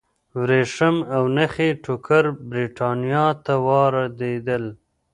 ورېښم او نخي ټوکر برېټانیا ته واردېدل.